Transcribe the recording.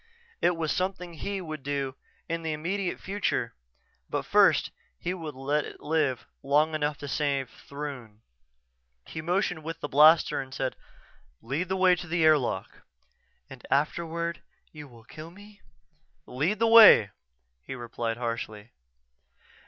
It was something he would do in the immediate future but first he would let it live long enough to save Throon. He motioned with the blaster and said, "Lead the way to the airlock." "And afterward you will kill me?" "Lead the way," he repeated harshly.